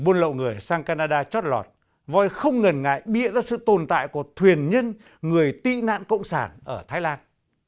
để buôn lậu người sang canada trót lọt voice không ngần ngại bia ra sự tồn tại của thuyền nhân người tị nạn cộng sản ở thái lan